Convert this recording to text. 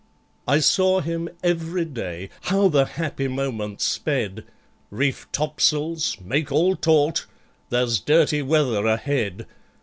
I saw him every day. How the happy moments sped! Reef topsails! Make all taut! There's dirty weather ahead!